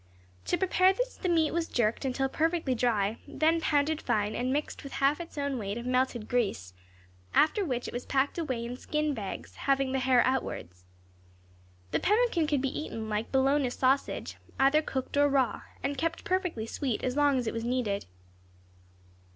To prepare this the meat was jerked until perfectly dry, then pounded fine, and mixed with half its own weight of melted grease; after which it was packed away in skin bags, having the hair outwards. The pemmican could be eaten, like bologna sausage, either cooked or raw, and kept perfectly sweet as long as it was needed.